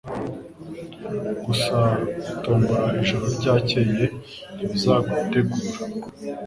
Gusa gutombora ijoro ryakeye ntibizagutegura